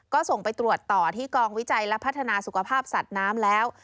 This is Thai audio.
ก็ส่งไปตรวจต่อที่กองวิจัยและพัฒนาสุขภาพสัตว์น้ำแล้ว